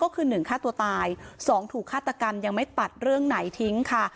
ก็คือ๑ฆ่าตัวตาย๒ถูกฆาตกรรมยังไม่ตัดเรื่องไหนทิ้งค่ะ